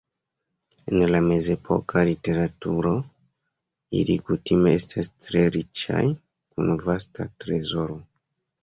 En la mezepoka literaturo, ili kutime estas tre riĉaj kun vasta trezoro.